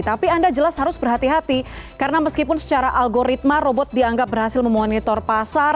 tapi anda jelas harus berhati hati karena meskipun secara algoritma robot dianggap berhasil memonitor pasar